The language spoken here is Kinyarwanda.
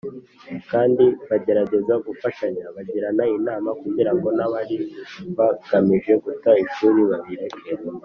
kandi bagerageza gufashanya bagirana inama kugira ngo n’abari bagamije guta ishuri babireke.